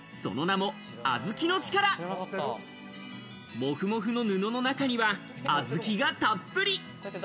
もふもふの布の中には、小豆がたっぷり。